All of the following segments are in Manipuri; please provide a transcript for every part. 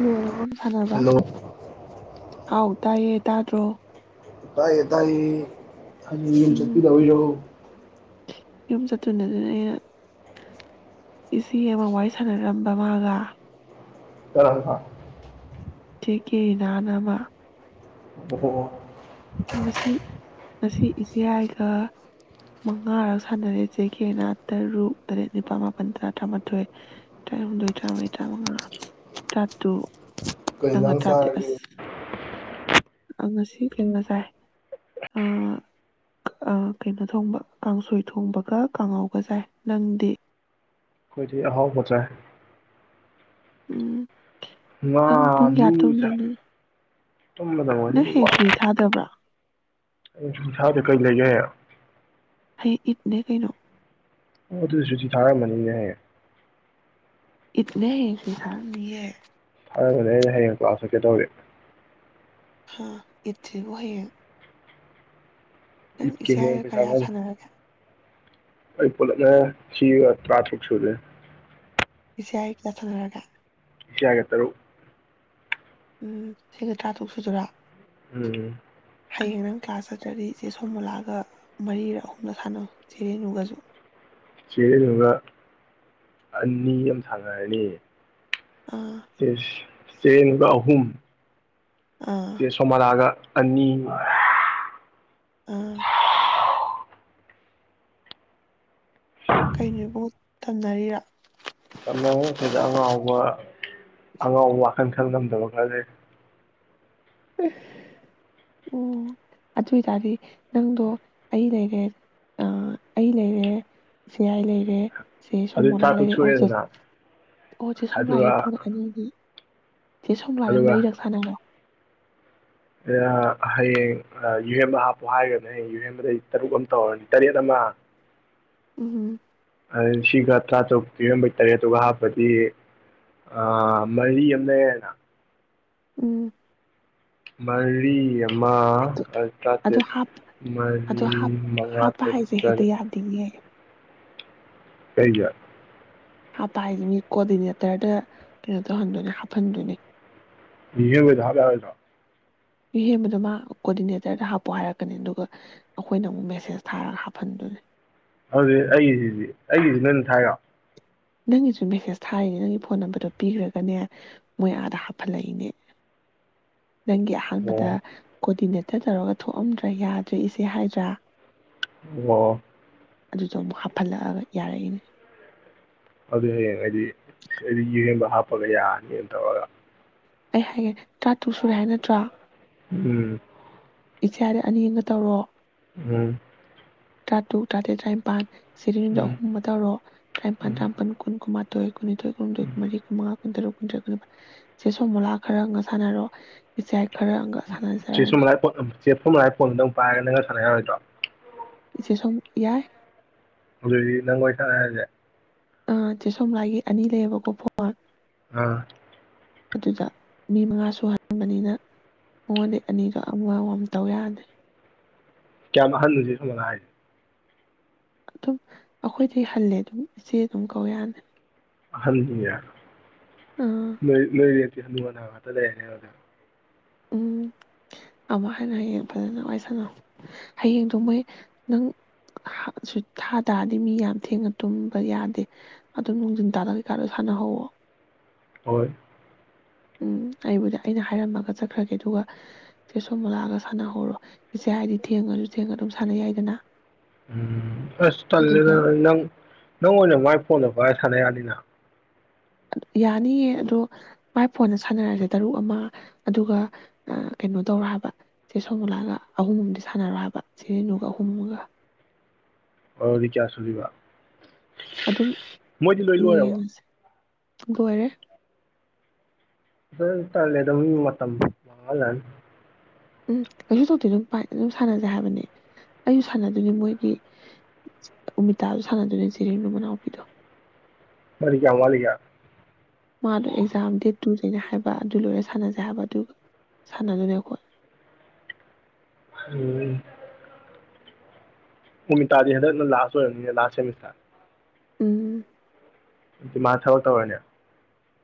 ꯅꯣꯡ ꯑꯣ ꯑꯗꯨꯝ ꯁꯥꯅꯕ ꯍꯜꯂꯣ ꯍꯥꯎ ꯇꯥꯏꯌꯦ ꯇꯥꯗ꯭ꯔꯣ ꯇꯥꯏꯌꯦ ꯇꯥꯏꯌꯦ ꯍꯥꯌꯦꯡ ꯌꯨꯝ ꯎꯝ ꯆꯠꯄꯤꯗꯧꯔꯤꯔꯣ ꯌꯨꯝ ꯆꯠꯇꯨꯏꯅꯦꯗꯨꯅ ꯑꯩꯅ ꯏꯆꯦ ꯑꯃ ꯋꯥꯔꯤ ꯁꯥꯟꯅꯔꯝꯕ ꯃꯥꯒ ꯀꯔꯝꯀꯥꯟ ꯆꯦ ꯀꯦꯔꯤꯅꯥꯅ ꯑꯃ ꯄꯣꯇꯨꯒꯣꯜ ꯃꯁꯤ ꯉꯁꯤ ꯏꯆꯦꯌꯥꯥꯏꯒ ꯃꯉꯥꯔꯛ ꯁꯥꯟꯅꯔꯦ ꯆꯦ ꯀꯦꯅ ꯇꯔꯨꯛ ꯇꯔꯦꯠ ꯅꯤꯄꯥꯜ ꯃꯥꯄꯜ ꯇꯔꯥ ꯇꯔꯥꯃꯥꯊꯣꯏ ꯇꯔꯥꯍꯨꯝꯗꯣꯏ ꯇꯔꯥꯃꯔꯤ ꯇꯔꯥꯃꯉꯥ ꯇꯔꯥꯇꯨꯛ ꯀꯩ ꯍꯤꯟꯖꯥꯡ ꯆꯥꯔꯒꯦ ꯑ ꯉꯁꯤ ꯐꯦꯅ ꯥꯑꯥ ꯑꯥ ꯀꯩꯅꯣ ꯊꯣꯡꯕ ꯀꯥꯡꯁꯣꯏ ꯊꯣꯡꯕꯒ ꯀꯥꯡꯉꯧꯒ ꯆꯥꯏ ꯅꯪꯗꯤ ꯈꯣꯏꯗꯤ ꯑꯍꯥꯎꯕ ꯆꯥꯢ ꯎꯝ ꯉꯥ ꯅꯪ ꯄꯨꯡ ꯀꯌꯥ ꯅꯨ ꯆꯥꯏ ꯇꯨꯝꯗꯣꯏꯅꯣ ꯇꯨꯝꯕꯅ ꯅꯪ ꯋꯥꯔꯤꯒꯤ ꯋꯥ ꯍꯌꯦꯡ ꯁꯨꯇꯤ ꯊꯥꯗꯕ꯭ꯔꯥ ꯍꯌꯦꯡ ꯁꯨꯇꯤ ꯊꯥꯢꯗꯣ ꯀꯩ ꯂꯩꯒꯦ ꯏꯠ ꯏꯠꯅꯦ ꯀꯩꯅꯣ ꯑꯣ ꯑꯗꯨꯗꯤ ꯁꯨꯇꯤ ꯊꯥꯔꯝꯃꯅꯤꯅꯦ ꯍꯌꯦꯡ ꯏꯠꯅꯦ ꯍꯌꯦꯡ ꯁꯨꯇꯤ ꯊꯥꯔꯝꯅꯤꯌꯦ ꯑꯗꯨꯒꯗꯤ ꯑꯩ ꯍꯌꯦꯡ ꯀ꯭ꯂꯥꯁ ꯆꯠꯀꯦ ꯇꯧꯔꯤ ꯑꯣ ꯏꯠꯁꯤꯕꯨ ꯍꯌꯦꯡ ꯅꯪ ꯏꯠꯀꯤ ꯏꯆꯦ ꯍꯌꯦꯡ ꯍꯥꯏꯒ ꯄꯩꯁꯥ ꯀꯌꯥ ꯂꯧ ꯁꯥꯟꯅꯔꯒꯦ ꯑꯩ ꯄꯨꯂꯞꯅ ꯁꯤꯒ ꯇ꯭ꯔꯥꯥꯇ꯭ꯔꯨꯛ ꯁꯨꯗꯣꯢꯅꯦ ꯄꯤꯁꯤ ꯍꯥꯏ ꯀꯌꯥ ꯆꯅꯔꯒꯦ ꯆꯤꯌꯥꯏꯒ ꯇꯔꯨꯛ ꯎꯝ ꯁꯤꯒ ꯇꯔꯥ ꯇꯔꯨꯛ ꯁꯨꯗꯣꯔꯥ ꯎꯝ ꯍꯌꯦꯡ ꯅꯪ ꯀ꯭ꯂꯥꯁ ꯆꯠꯇ꯭ꯔꯗꯤ ꯆꯦ ꯁꯣꯃꯣꯂꯥꯒ ꯃꯔꯤꯔꯥ ꯑꯍꯨꯝꯂꯥ ꯁꯥꯟꯅꯧ ꯆꯦ ꯔꯦꯅꯨꯒꯁꯨ ꯆꯦ ꯔꯦꯅꯨꯒ ꯑꯅꯤ ꯑꯝ ꯁꯥꯟꯅꯔꯅꯤ ꯑꯥ ꯆꯦ ꯁꯤ ꯆꯦꯕꯥ ꯑꯍꯨꯝ ꯑꯥ ꯆꯦ ꯁꯣꯃꯣꯂꯥꯒ ꯑꯅꯤ ꯃ ꯑꯥ ꯀꯩꯅꯣ ꯢꯕꯨꯡꯉꯣ ꯇꯝꯅꯔꯤꯔꯥ ꯑꯃꯥ ꯁꯤꯗ ꯑꯉꯥꯎꯕ ꯑꯉꯥꯎꯕ ꯋꯥꯈꯜ ꯈꯜ ꯉꯝꯗꯕ ꯈꯔ ꯂꯩꯔꯤ ꯎꯐ ꯎꯝ ꯑꯗꯨꯑꯣꯏꯇꯥꯗꯤ ꯅꯪꯗꯣ ꯑꯩ ꯂꯩꯔꯦ ꯑꯥ ꯑꯩ ꯂꯩꯔꯦ ꯆꯦꯌꯥꯏ ꯂꯩꯔꯦ ꯆꯦ ꯑꯗꯨ ꯁꯣꯃꯣꯂꯥ ꯆꯥꯇ꯭ꯔꯨꯛ ꯂꯩꯔꯦ ꯑꯣꯖꯤ ꯁꯨꯔꯦꯗꯅ ꯑꯣ ꯆꯦ ꯁꯣꯃꯣꯂꯥꯒꯤ ꯑꯗꯨꯒ ꯐꯣꯟꯗꯣ ꯊꯥꯏꯂꯦꯟꯒꯤ ꯁꯤ ꯁꯣꯃꯣꯂꯥꯗ ꯃꯔꯤꯔꯛ ꯁꯥꯅꯧꯑꯣ ꯑ ꯍꯌꯦꯡ ꯑ ꯌꯨꯍꯦꯝꯕ ꯍꯥꯞꯄꯨ ꯍꯥꯏꯈ꯭ꯔꯕꯅꯦ ꯍꯩ ꯌꯨꯍꯦꯝꯕꯗꯩ ꯇꯔꯨꯛ ꯑꯃ ꯇꯧꯔꯅꯤ ꯇꯔꯦꯠ ꯑꯃ ꯎꯝ ꯁꯤꯒ ꯇꯔꯥꯇꯔꯨꯛ ꯄꯤꯔ ꯃꯣꯢ ꯇꯔꯦꯠꯇꯨꯒ ꯍꯥꯞꯄꯗꯤ ꯑꯥ ꯃꯔꯤ ꯑꯃ ꯂꯩꯔꯦꯅ ꯎꯝ ꯃꯔꯤ ꯑꯃ ꯑꯗꯨ ꯑ ꯑꯗꯨ ꯇ꯭ꯔꯥꯇꯦꯠ ꯍꯥꯞ ꯃꯔꯤ ꯑꯗꯨ ꯍꯥꯞ ꯃꯉꯥ ꯍꯥꯞꯄ ꯇꯔꯨꯛ ꯍꯥꯏꯁꯦ ꯍꯦꯛꯇ ꯇꯔꯦꯠ ꯌꯥꯗꯤꯅꯦ ꯀꯩꯒꯤ ꯍꯥꯞꯄ ꯍꯥꯏꯁꯤ ꯃꯤ ꯀꯣꯑꯣꯔꯗꯤꯅꯦꯇꯔꯗ ꯀꯩꯅꯣ ꯇꯧꯍꯟꯗꯣꯏꯅꯦ ꯍꯥꯞꯍꯟꯗꯣꯏꯅꯦ ꯇꯤꯖꯟ ꯍꯣꯏꯗꯣ ꯍꯞ ꯌꯥꯔꯣꯢꯗ꯭ꯔꯣ ꯌꯨꯍꯦꯟꯕꯗ ꯃꯥ ꯀꯣꯑꯣꯔꯗꯤꯅꯦꯇꯔꯗ ꯍꯥꯞꯄꯨ ꯍꯥꯏꯔꯛꯀꯅꯤ ꯑꯗꯨꯒ ꯑꯩꯈꯣꯏꯅ ꯑꯃꯨꯛ ꯃꯦꯁꯦꯁ ꯊꯥꯔꯒ ꯍꯥꯞꯍꯟꯗꯨꯅꯦ ꯍꯧꯖꯤꯛ ꯑꯩꯒꯤꯁꯤꯗꯤ ꯑꯩꯒꯤꯁꯤ ꯅꯣꯏꯅ ꯊꯥꯏꯔꯣ ꯅꯪꯒꯤꯁꯨ ꯃꯦꯁꯦꯁ ꯊꯥꯔꯤꯅꯦ ꯅꯪꯒꯤ ꯐꯣꯟ ꯅꯝꯕꯔꯗꯣ ꯄꯤꯈ꯭ꯔꯒꯅꯦ ꯃꯣꯏ ꯑꯥꯗ ꯍꯥꯞꯍꯜꯂꯛꯏꯅꯦ ꯅꯪꯒꯤ ꯑꯣ ꯑꯍꯥꯟꯕꯗ ꯀꯣꯑꯣꯔꯗꯤꯅꯦꯠ ꯈꯤꯇ ꯇꯧꯔꯒ ꯊꯣꯛꯑꯝꯗ꯭ꯔꯥ ꯌꯥꯗ꯭ꯔꯦ ꯏꯆꯦ ꯍꯥꯏꯗ꯭ꯔꯥ ꯑꯣ ꯑꯗꯨꯗꯣ ꯑꯃꯨꯛ ꯍꯥꯞꯐꯜꯂꯛꯑꯒ ꯌꯥꯔꯛꯏꯅꯦ ꯑꯗꯨꯗꯤ ꯍꯌꯦꯡ ꯑꯩꯗꯤ ꯑꯩꯗꯤ ꯋꯨꯑꯦꯟ ꯍꯥꯞꯄꯒ ꯌꯥꯅꯤꯅ ꯇꯧꯔꯒ ꯑꯩ ꯍꯥꯏꯒꯦ ꯈꯟ ꯇ꯭ꯔꯥꯇꯨꯛ ꯁꯨꯔꯦ ꯍꯥꯏ ꯅꯠꯇ꯭ꯔꯣ ꯎꯝ ꯄꯤꯊ꯭ꯔꯥꯏꯗ ꯑꯅꯤ ꯑꯝꯒ ꯇꯧꯔꯣ ꯎꯝ ꯇ꯭ꯔꯥꯇꯨꯛ ꯇ꯭ꯔꯥꯇꯦꯠ ꯇ꯭ꯔꯥꯏꯄꯥꯥꯟ ꯆꯩꯔꯦꯡꯗ ꯎꯝ ꯑꯍꯨꯝ ꯃ ꯇꯧꯔꯣ ꯇ꯭ꯔꯥꯏꯄꯥꯟ ꯎꯝ ꯇ꯭ꯔꯥꯝꯄꯟ ꯀꯨꯟ ꯀꯨꯅꯃꯊ ꯇꯥꯏ ꯀꯨꯟꯅꯤꯊꯣꯏ ꯐꯪꯗꯣꯏ ꯎꯝ ꯀꯨꯟꯃꯔꯤ ꯀꯨꯟꯃꯉꯥ ꯀꯨꯟꯇꯔꯨꯛ ꯀꯨꯟꯇ꯭ꯔꯦꯠ ꯀꯨꯟꯅꯤꯄꯥꯟ ꯆꯦ ꯁꯣꯃꯣꯂꯥꯒ ꯈꯔ ꯑꯝꯒ ꯁꯥꯟꯅꯔꯣ ꯏꯆꯦꯌꯥꯏ ꯆꯦ ꯁꯣꯃꯣꯂꯥ ꯆꯦ ꯁꯣꯃꯣꯂꯥꯏ ꯐꯣꯟꯗꯣ ꯅꯡꯅꯥ ꯄꯥꯏꯔꯒ ꯅꯪꯅꯒ ꯁꯥꯅ ꯌꯔꯣꯏꯗ꯭ꯔꯣ ꯁꯨꯝ ꯌꯥꯏ ꯑꯗꯨ ꯅꯪꯒ ꯑꯣꯏ ꯁꯅꯔꯁꯦ ꯑ ꯆꯦ ꯁꯣꯝꯂꯥꯏꯒꯤ ꯑꯅꯤ ꯂꯩꯌꯦꯕꯀꯣ ꯐꯣꯟ ꯑꯥ ꯑꯗꯨꯗ ꯃꯤ ꯃꯉꯥ ꯁꯨꯍꯟꯕꯅꯤꯅ ꯃꯉꯣꯟꯗꯩꯩ ꯑꯅꯤꯗꯣ ꯑꯃ ꯑꯃꯝ ꯇꯧ ꯌꯥꯅꯤ ꯀꯌꯥꯝ ꯑꯍꯜꯅꯣ ꯆꯦ ꯁꯣꯃꯣꯂꯥ ꯍꯥꯏꯁꯦ ꯑꯗꯨꯝ ꯑꯩꯈꯣꯏꯗꯒꯤ ꯍꯜꯂꯦ ꯑꯗꯨꯝ ꯏꯆꯦ ꯑꯗꯨꯝ ꯀꯧ ꯌꯥꯅꯤ ꯍꯜꯗꯤ ꯌꯥ ꯑꯥ ꯅꯣꯏꯅꯣꯏ ꯍꯥꯅꯨ ꯍꯅ ꯉꯛꯇꯥꯂꯩꯔꯅꯤꯕ ꯑꯗꯨꯝ ꯎꯝ ꯑꯃꯛ ꯍꯟꯅ ꯍꯌꯦꯡ ꯐꯖꯅ ꯋꯥꯔꯤ ꯁꯥꯟꯅꯧ ꯍꯌꯦꯡꯗꯣ ꯃꯣꯏ ꯅꯪ ꯊꯥ ꯇꯥꯔꯗꯤ ꯃꯤ ꯌꯥꯝ ꯊꯦꯡꯅ ꯇꯨꯝꯕ ꯌꯥꯗꯦ ꯑꯗꯨ ꯅꯣꯡꯊꯤꯟ ꯇꯥꯂꯒ ꯀꯩꯀꯥꯗꯣ ꯁꯥꯟꯅꯍꯧꯋꯣ ꯍꯣꯏ ꯎꯝ ꯑꯩꯕꯨꯗꯤ ꯑꯩꯅ ꯍꯥꯏꯔꯝꯃꯒ ꯆꯠꯈ꯭ꯔꯒꯦ ꯑꯗꯨꯒ ꯆꯦ ꯁꯣꯃꯣꯂꯥꯒ ꯁꯥꯟꯅꯍꯧꯔꯣ ꯏꯆꯦꯌꯏꯗꯤ ꯊꯦꯡꯉꯁꯨ ꯊꯦꯡꯅꯥ ꯑꯗꯨꯝ ꯁꯥꯟꯅꯩ ꯌꯥꯏꯗꯅ ꯎꯝ ꯑꯁ ꯇꯜꯂꯦꯗ ꯑꯗꯨꯒ ꯅꯪ ꯅꯪ ꯑꯣꯏꯅ ꯃꯥꯏ ꯐꯣꯟꯗꯣ ꯄꯥꯏ ꯁꯥꯟꯌꯥꯅꯤꯅ ꯌꯥꯅꯤꯌꯦ ꯑꯗꯣ ꯃꯥꯏ ꯐꯣꯟꯗ ꯁꯥꯟꯅꯔꯁꯦ ꯇꯔꯨꯛ ꯑꯃ ꯑꯗꯨꯒ ꯀꯩꯅꯣ ꯇꯧꯔꯣ ꯍꯥꯏꯕ ꯆꯦ ꯁꯣꯃꯣꯂꯥꯒ ꯑꯍꯨꯝ ꯑꯗꯤ ꯁꯥꯟꯅꯔ ꯍꯥꯏꯕ ꯆꯦ ꯔꯦꯅꯨꯒ ꯑꯍꯨꯝ ꯑꯃꯒ ꯑꯣꯗꯤ ꯀꯌꯥꯁꯨꯗꯣꯏꯕ ꯑꯗꯨꯝ ꯌꯦꯡꯉꯁꯦ ꯂꯣꯏꯔꯦ ꯇꯥꯟꯂꯦꯗ ꯃꯤ ꯃꯇꯝ ꯃꯥꯡꯉꯂꯒ [inaudible] ꯎꯝ ꯑꯩꯁꯨ ꯇꯧꯗꯦ ꯑꯗꯨꯝ ꯄꯥꯏ ꯑꯗꯨꯝ ꯁꯥꯅꯁꯦ ꯍꯥꯏꯕꯅꯦ ꯑꯩꯁꯨ ꯁꯥꯟꯅꯗꯣꯏꯅꯦ ꯃꯣꯏꯒꯤ ꯎꯃꯤꯇꯥꯗꯨ ꯁꯥꯟꯅꯗꯣꯏꯅꯦ ꯆꯦꯔꯤꯅꯨ ꯃꯅꯥꯎꯄꯤꯗꯣ ꯃꯥꯏꯗꯤ ꯀꯌꯥꯝꯋꯥꯠꯂꯤꯒꯦ ꯃꯥꯗꯣ ꯑꯦꯛꯖꯥꯝ ꯗꯦꯠ ꯇꯨꯗꯩꯅꯦ ꯍꯥꯏꯕ ꯑꯗꯨ ꯂꯣꯏꯔ ꯁꯥꯅꯖꯦ ꯍꯥꯏꯕ ꯑꯗꯨ ꯁꯥꯅꯗꯣꯏꯅꯦ ꯑꯩꯈꯣꯏ ꯎꯝ ꯎꯃꯤꯇꯥꯗꯤ ꯍꯟꯗꯛꯅ ꯂꯥꯁ ꯑꯣꯏꯔꯝꯅꯤꯅꯦ ꯂꯥꯁ ꯁꯦꯃꯤꯁꯇ꯭ꯔ ꯎꯝ ꯑꯗꯨ ꯃꯥ ꯊꯕꯛ ꯇꯧꯔꯅꯤ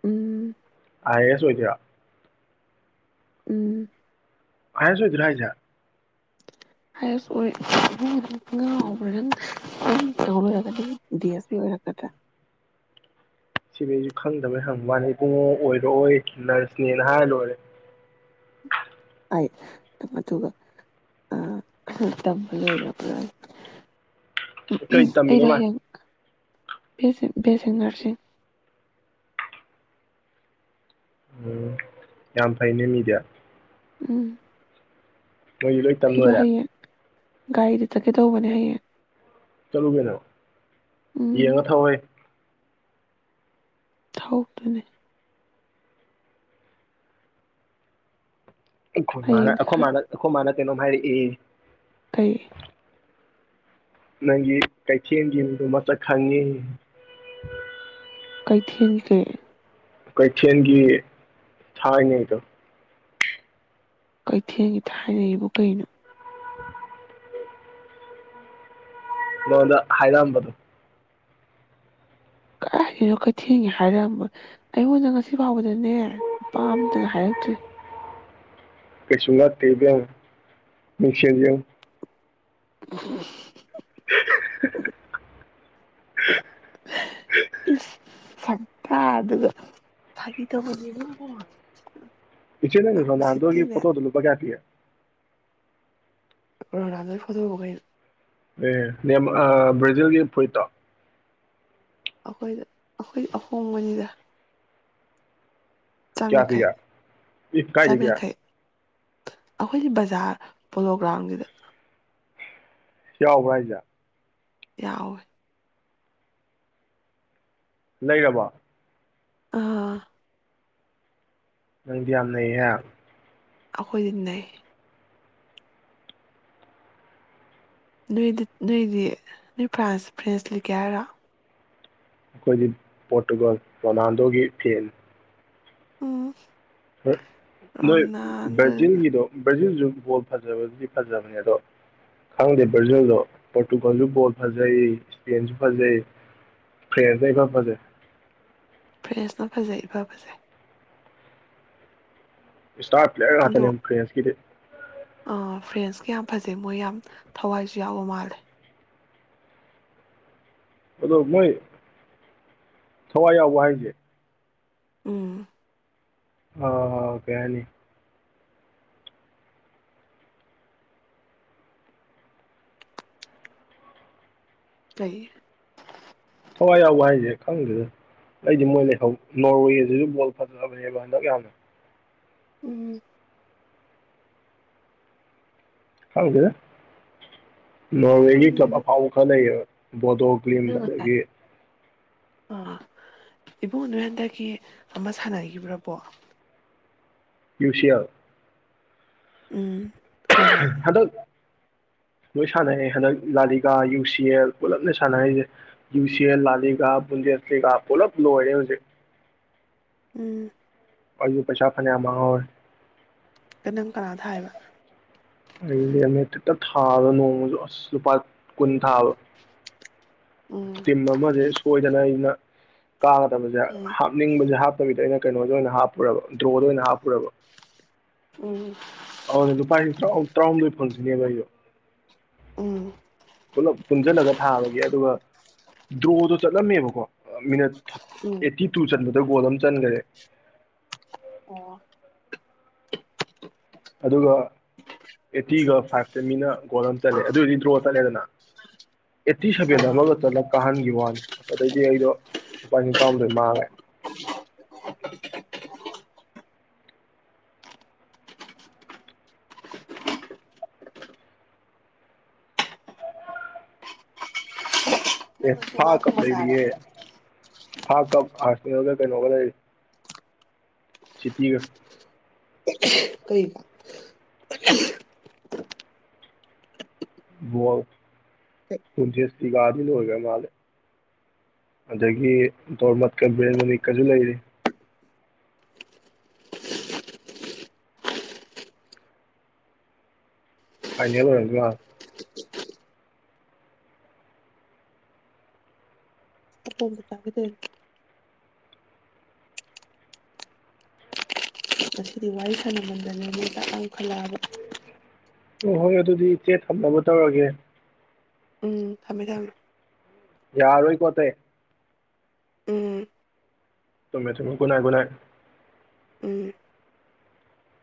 ꯎꯝ ꯑꯏ ꯑꯦ ꯑꯁ ꯑꯣꯗꯣꯏꯔꯣ ꯎꯝ ꯍꯥꯏꯁꯑꯣꯗꯣꯏꯔꯥ ꯍꯥꯏꯖ ꯍꯩꯁ ꯑꯣꯏ ꯑꯗꯨꯝ ꯉꯥ ꯑꯣꯄꯔꯦꯁꯟ ꯑꯨꯝ ꯇꯧ ꯂꯩꯔꯒꯗꯤ ꯗꯤ ꯑꯦꯁ ꯄꯤ ꯑꯣꯏꯔꯛꯀꯗ꯭ꯔ ꯁꯤꯗꯤ ꯑꯩꯁꯨ ꯈꯪꯗꯕꯩ ꯍꯪꯕꯩ ꯃꯋꯥꯅꯤ ꯏꯕꯨꯡꯉꯣ ꯑꯣꯏꯔꯛꯑꯣꯏ ꯅꯔꯁꯅꯦꯅ ꯍꯥꯏꯔ ꯂꯣꯏꯔꯦ ꯑꯩ ꯑꯗꯨꯒ ꯑ ꯇꯝꯕ ꯂꯣꯏꯔꯕ꯭ꯔꯥ ꯀꯩ ꯑꯩꯔꯣ ꯇꯝꯃꯤꯅꯣ ꯃꯥꯏ ꯍꯌꯦꯡ ꯕꯦ ꯁꯤ ꯕꯦꯁꯤ ꯅꯔꯁꯤꯡ ꯎꯝ ꯌꯥꯝ ꯐꯩꯅꯦ ꯃꯤꯗꯤ ꯎꯝ ꯀꯩ ꯂꯣꯏ ꯇꯝ ꯑꯩꯗꯣ ꯂꯣꯏꯔꯦ ꯍꯌꯦꯡ ꯒꯥꯔꯤꯗ ꯆꯠꯀꯦ ꯇꯧꯕꯅꯦ ꯍꯌꯦꯡ ꯆꯠꯂꯨꯀꯩꯅꯣ ꯎꯝ ꯌꯦꯡꯉ ꯊꯧ ꯎꯍꯦ ꯊꯧꯇꯣꯏꯅꯦ ꯑꯩ ꯈꯣꯟ ꯃꯥꯜꯂꯦ ꯍꯌꯦꯡꯗꯤ ꯑꯈꯣ ꯈꯔ ꯃꯥꯅ ꯑꯈꯣ ꯃꯥꯅ ꯀꯩꯅꯣꯝ ꯍꯥꯏꯔꯛꯑꯦ ꯀꯩ ꯅꯪꯒꯤ ꯀꯩꯊꯦꯜꯒꯤ ꯃꯤꯗꯣ ꯃꯁꯛ ꯈꯪꯉꯦ ꯀꯩꯊꯦꯟꯒꯤ ꯀꯔꯤ ꯀꯩꯊꯦꯟꯒꯤ ꯊꯥꯏꯅꯩꯗꯣ ꯀꯩꯊꯦꯟꯒꯤ ꯊꯥꯏꯅꯒꯤꯕꯨ ꯀꯩꯅꯣ ꯅꯉꯣꯟꯗ ꯍꯥꯏꯔꯛꯑꯝꯕꯗꯣ ꯀꯥꯏꯗꯩꯅꯣ ꯀꯩꯊꯦꯟꯒꯤ ꯍꯥꯏꯔꯛꯑꯝꯕ ꯑꯩꯉꯣꯟꯗ ꯉꯁꯤ ꯐꯥꯎꯕꯗꯅꯦ ꯅꯨꯄꯥ ꯑꯃꯇꯅ ꯍꯥꯏꯔꯛꯇ꯭ꯔꯤ ꯀꯩꯁꯨ ꯉꯛꯇꯦ ꯏꯕꯦꯝꯃꯥ ꯃꯤꯡꯁꯦꯟ ꯌꯦꯡꯉꯨ ꯑꯥꯍꯨꯝ ꯍꯨꯝ ꯍꯤ ꯍꯤ ꯍꯤ ꯍꯤꯛ ꯍꯤ ꯏꯁ ꯍꯤ ꯁꯛꯇꯥꯗꯨꯒ ꯐꯥꯉꯤ ꯇꯧꯕꯅꯦ ꯏꯕꯨꯡꯉꯣ ꯏꯆꯦ ꯅꯪꯒꯤ ꯔꯣꯅꯥꯜꯗꯣꯒꯤ ꯎꯁꯤꯠꯇꯤꯅꯦ ꯐꯣꯇꯣꯗꯣ ꯂꯨꯄꯥ ꯀꯌꯥ ꯄꯤ ꯒꯦ ꯔꯣꯅꯥꯜꯗꯣꯒꯤ ꯐꯣꯇꯣꯕꯨ ꯀꯩꯅꯣ ꯑꯦ ꯅꯦꯝ ꯑ ꯕ꯭ꯔꯥꯖꯤꯜꯒꯤ ꯐꯨꯔꯤꯠꯇꯣ ꯑꯩꯈꯣꯏꯗ ꯑꯩꯈꯣꯏ ꯑꯍꯣꯡꯕꯅꯤꯗ ꯆꯥꯝ ꯀꯌꯥ ꯌꯥꯡꯈꯩ ꯄꯤꯒꯦ ꯏ ꯀꯥꯏꯗꯒꯤ ꯑꯩꯈꯣꯏꯒꯤ ꯕꯖꯥꯔ ꯄꯣꯂꯣꯒ꯭ꯔꯥꯎꯟꯒꯤꯗ ꯁꯤ ꯌꯥꯎꯕ꯭ꯔꯥ ꯍꯥꯏꯖꯦ ꯌꯥꯎꯋꯦ ꯂꯩꯔꯕꯣ ꯑꯥ ꯍꯥ ꯅꯪꯗꯤ ꯌꯥꯝꯅꯩꯍꯦ ꯑꯈꯣꯏꯗꯤ ꯅꯩ ꯅꯣꯏꯗꯤꯠ ꯅꯣꯏꯗꯤ ꯅꯣꯏ ꯐ꯭ꯔꯥꯟꯁ ꯐ꯭ꯔꯦꯟꯁ ꯂꯩꯀꯦ ꯍꯥꯏꯔꯣ ꯑꯩꯈꯣꯏꯗꯤ ꯄꯣꯔꯇꯨꯒꯜ ꯔꯣꯅꯥꯜꯗꯣꯒꯤ ꯐꯦꯟ ꯎꯝꯎꯝ ꯑ ꯅꯣꯏ ꯕ꯭ꯔꯥꯖꯤꯜꯒꯤꯗꯣ ꯕ꯭ꯔꯥꯖꯤꯜ ꯕꯣꯜ ꯐꯖꯕꯗꯨꯗꯤ ꯐꯖꯕꯅꯦ ꯑꯗꯣ ꯈꯪꯗꯦ ꯕ꯭ꯔꯖꯤꯜꯗꯣ ꯄꯣꯔꯇꯨꯒꯜꯁꯨ ꯕꯣꯜ ꯐꯖꯩ ꯏꯁꯄꯦꯟꯁꯨ ꯐꯖꯩ ꯐ꯭ꯔꯦꯟꯁꯅ ꯏꯐ ꯐꯖꯩ ꯐ꯭ꯔꯦꯟꯁꯅ ꯐꯖꯩ ꯏ ꯐ ꯐꯖꯩ ꯏꯁꯇꯥꯔ ꯄ꯭ꯂꯦꯌꯔ ꯑꯗꯣ ꯉꯥꯛꯇꯥꯅꯦ ꯐ꯭ꯔꯦꯟꯁ ꯀꯤꯗꯤ ꯑꯥ ꯐ꯭ꯔꯦꯟꯁꯀꯤ ꯌꯥꯝ ꯐꯖꯩ ꯃꯣꯏ ꯌꯥꯝ ꯊꯋꯥꯏꯁꯨ ꯌꯥꯎꯕ ꯃꯥꯜꯂꯦ ꯑꯗꯣ ꯃꯣꯏ ꯊꯋꯥꯏ ꯌꯥꯎꯕ ꯍꯥꯏꯁꯦ ꯎꯝ ꯑ ꯀꯩ ꯍꯥꯏꯅꯤ ꯀꯩ ꯊꯋꯥꯏ ꯌꯥꯎꯕ ꯍꯥꯏꯁꯦ ꯈꯪꯗꯦꯗ ꯑꯩꯗꯤ ꯃꯣꯏ ꯂꯩꯍꯧ ꯅꯣꯔꯋꯦꯁꯤꯁꯨ ꯕꯣꯜ ꯐꯖꯕꯅꯦꯕ ꯍꯟꯗꯛ ꯌꯥꯝꯅ ꯎꯝ ꯈꯪꯗꯦꯗ ꯅꯣꯔꯋꯦꯒꯤ ꯈꯪꯗꯦ ꯀꯥꯂꯞ ꯅꯪ ꯑꯐꯥꯎꯕ ꯈꯔ ꯂꯩꯌꯦꯕ ꯕꯣꯟꯗꯣ ꯀ꯭ꯂꯤꯝ ꯑꯒꯗꯒꯤ ꯑ ꯏꯕꯨꯡ ꯅꯣꯢ ꯍꯟꯇꯛꯀꯤ ꯑꯃ ꯁꯥꯟꯅꯈꯤꯕ꯭ꯔ ꯕꯣꯜ ꯌꯨꯁꯤꯑꯥꯔ ꯎꯝ ꯍꯣꯏ ꯍꯣꯏ ꯍꯟꯗꯛ ꯂꯣꯏ ꯁꯥꯟꯅꯩꯍꯦ ꯍꯟꯗꯛ ꯂꯥꯂꯤꯀꯥ ꯌꯨ ꯁꯤ ꯑꯦꯜ ꯄꯨꯜꯂꯞꯅꯦ ꯁꯥꯟꯅꯩꯁꯦ ꯌꯨ ꯁꯤ ꯑꯦꯜ ꯂꯥꯂꯤꯀꯥ ꯕꯨꯨꯟꯗꯦꯐ꯭ꯂꯤꯀꯥ ꯄꯨꯂꯞ ꯂꯣꯏꯔꯦ ꯍꯧꯖꯤꯛ ꯎꯝ ꯑꯩꯖꯨ ꯄꯩꯁꯥ ꯐꯅꯌꯥꯝ ꯃꯥꯡꯍꯧꯔꯦ ꯑꯦ ꯅꯪ ꯀꯅꯥꯗ ꯇꯥꯏꯕ ꯑꯩꯗꯤ ꯑꯃ ꯈꯤꯠꯇꯪ ꯊꯥꯕ ꯅꯣꯡꯃꯁꯨ ꯑꯁ ꯂꯨꯄꯥ ꯀꯨꯟ ꯊꯥꯕ ꯎꯝ ꯇꯤꯝ ꯑꯃꯥꯁꯦ ꯁꯣꯏꯗꯅ ꯑꯩꯅ ꯀꯥꯒꯗꯕꯁꯦ ꯎꯝ ꯍꯥꯞꯅꯤꯡꯕꯁꯦ ꯍꯥꯞ ꯑꯗꯨꯕꯨꯗꯤ ꯑꯩꯅ ꯀꯩꯅꯣꯖꯦ ꯑꯣꯏꯅ ꯍꯥꯞꯄꯨꯔꯕ ꯗ꯭ꯔꯣꯗ ꯑꯣꯏꯅ ꯍꯥꯞꯄꯨꯔꯕ ꯎꯝ ꯑꯗꯨꯗꯅꯦ ꯂꯨꯄꯥ ꯇꯔꯥ ꯇꯔꯥꯍꯨꯝꯗꯣꯏ ꯐꯪꯗꯣꯢꯅꯦꯕ ꯑꯩꯁꯨ ꯎꯝ ꯄꯨꯂꯞ ꯄꯨꯟꯁꯤꯜꯂꯒ ꯊꯥꯕꯒꯤ ꯑꯗꯨꯒ ꯗ꯭ꯔꯣꯗꯣ ꯆꯠꯂꯝꯃꯦꯕꯀꯣ ꯑ ꯃꯤꯅꯠ ꯎꯝ ꯑꯩꯠꯇꯤꯇꯨ ꯆꯟꯒꯗꯧꯕ ꯒꯣꯜ ꯑꯃ ꯆꯟꯒ꯭ꯔꯦ ꯑꯣ ꯑꯗꯨꯒ ꯑꯦꯠꯇꯤꯒ ꯐꯥꯏꯞꯇ ꯃꯤꯅ ꯒꯣꯜ ꯑꯃ ꯆꯜꯂꯦ ꯑꯗꯨ ꯑꯣꯏꯔꯗꯤ ꯗ꯭ꯔꯣ ꯆꯠꯂꯦꯗꯅ ꯑꯦꯠꯇꯤ ꯁꯥꯚꯦꯟꯗ ꯑꯥ ꯑꯃꯒ ꯆꯠꯂꯑ ꯀꯥꯍꯟꯈꯤꯕ ꯋꯥꯅꯤ ꯑ ꯑꯗꯩꯗꯤ ꯑꯩꯗꯣ ꯂꯨꯄꯥ ꯂꯤ ꯇꯔꯥꯍꯨꯝꯗꯣꯏ ꯃꯥꯡꯉꯦ ꯑꯦ ꯅꯪ ꯉꯁꯤ ꯐꯥ ꯉꯥ ꯀꯥꯂꯞ ꯊꯣꯡꯕ ꯆꯥꯔꯕ ꯂꯩꯔꯤꯌꯦ ꯐꯥ ꯀꯥꯂꯞ ꯑꯥꯔꯁꯦꯜꯒ ꯀꯩꯅꯣꯒ ꯂꯩꯔꯤ ꯁꯤꯇꯤꯒ ꯀꯩꯒ ꯨꯕꯣꯜ ꯀꯩ ꯢꯟꯇꯦꯁꯇꯤꯒꯗꯤ ꯂꯣꯏꯒ꯭ꯔꯥ ꯃꯥꯜꯂꯦ ꯑꯗꯒꯤ ꯇꯣꯔꯃꯠꯀ ꯕ꯭ꯔꯦꯟ ꯃꯅꯤꯛꯀꯁꯨ ꯂꯩꯔꯤ ꯐꯥꯢꯅꯦꯜ ꯑꯣꯏꯔꯕ ꯃꯥꯜ ꯑꯄꯣꯝꯕ ꯆꯥꯒꯦ ꯇꯧꯅꯤ ꯁꯤꯗꯤ ꯋꯥꯔꯤ ꯁꯥꯅꯃꯟꯗꯅꯅꯦ ꯑꯣꯍꯣꯏ ꯑꯗꯨꯗꯤ ꯏꯆꯦ ꯊꯝꯅꯕ ꯇꯧꯔꯒꯦ ꯎꯝ ꯊꯝꯃꯦ ꯊꯝꯃꯦ ꯌꯥꯔꯥꯔꯣꯢꯀꯣ ꯑꯇꯩ ꯎꯝ ꯊꯝꯃꯦ ꯊꯝꯃꯦ ꯒꯨꯠ ꯅꯥꯢꯠ ꯒꯨꯠ ꯅꯥꯢꯠ ꯎꯝ